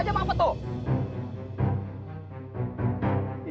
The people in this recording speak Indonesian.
lihat apa apa tuh